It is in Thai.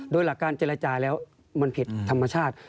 โดยหลักการเจรจาแล้วมันผิดธรรมชาติ